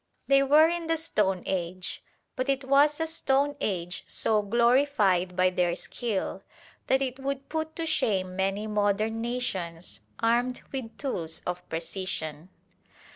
They were in the Stone Age, but it was a Stone Age so glorified by their skill that it would put to shame many modern nations armed with tools of precision.